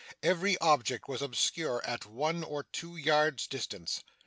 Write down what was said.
Every object was obscure at one or two yards' distance.